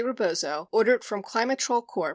Rebozo ordered from Climatrol Corp.